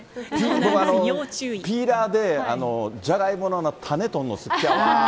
僕、ピーラーでじゃがいもの種とんの好きやわ。